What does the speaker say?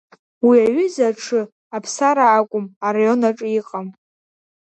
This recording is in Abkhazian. Уи аҩыза аҽы, Аԥсара акәым, араион аҿы иҟам.